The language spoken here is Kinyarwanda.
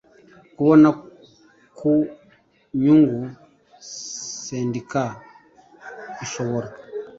kubona ku nyungu sendika ishobora